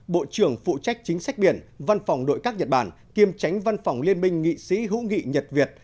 bộ trưởng phụ trách chính sách biển văn phòng nội các nhật bản kiêm tránh văn phòng liên minh nghị sĩ hữu nghị nhật việt